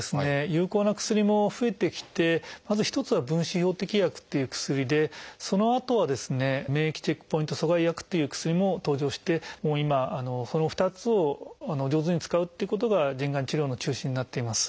有効な薬も増えてきてまず一つは「分子標的薬」っていう薬でそのあとは「免疫チェックポイント阻害薬」という薬も登場して今その２つを上手に使うっていうことが腎がん治療の中心になっています。